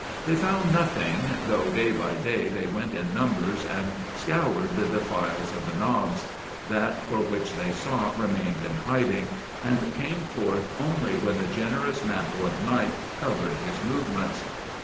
They found nothing, though day by day they went in numbers and scoured the defiles of the knobs. That for which they sought remained in hiding, and came forth only when the generous mantle of night covered his movements.